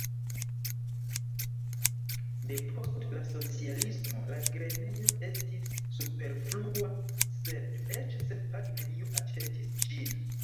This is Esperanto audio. Depost la socialismo la grenejo estis superflua, sed eĉ senpage neniu aĉetis ĝin.